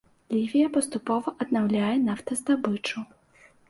Лівія паступова аднаўляе нафтаздабычу.